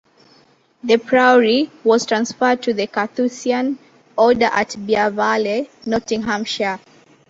The priory was transferred to the Carthusian order at Beauvale, Nottinghamshire.